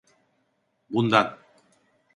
Bundan.